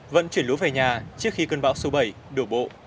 vận chuyển lúa về nhà trước khi cơn bão số bảy đổ bộ